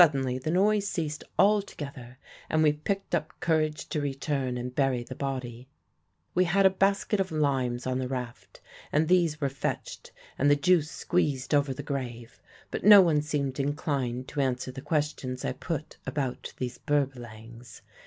"Suddenly the noise ceased altogether, and we picked up courage to return and bury the body. We had a basket of limes on the raft, and these were fetched and the juice squeezed over the grave; but no one seemed inclined to answer the questions I put about these Berbalangs.